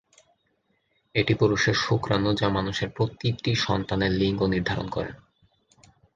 এটি পুরুষের শুক্রাণু যা মানুষের প্রতিটি সন্তানের লিঙ্গ নির্ধারণ করে।